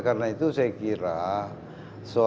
ya karena itu saya kira kita harus menanggung risikonya